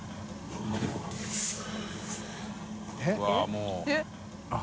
えっ？